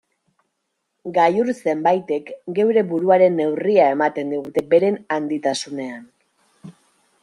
Gailur zenbaitek geure buruaren neurria ematen digute beren handitasunean.